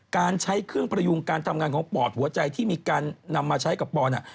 การใช้เครื่องประยุงการทำงานของปอดหัวใจที่มีการนำมาใช้กับปอน